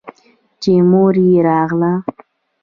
چې مور يې راغله.